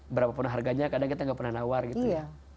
berapapun harganya kadang kita gak pernah nawar gitu ya